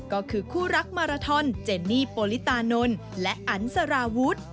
ก็คือคู่รักมาราทอนเจนนี่โปลิตานนท์และอันสารวุฒิ